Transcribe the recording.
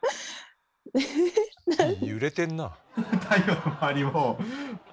揺れてんなあ。